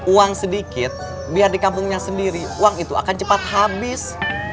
uang sedikit biar di kampungnya sendiri uang itu akan cepat habis